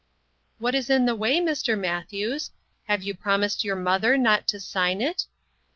" What is in the way, Mr. Matthews ? Have you promised your mother not to sign it?"